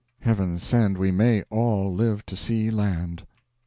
Heaven send we may all live to see land!